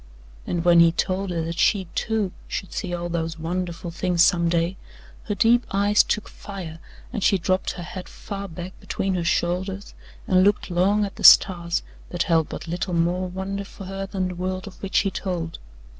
And when he told her that she, too, should see all those wonderful things some day, her deep eyes took fire and she dropped her head far back between her shoulders and looked long at the stars that held but little more wonder for her than the world of which he told.